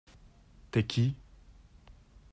T'es qui ?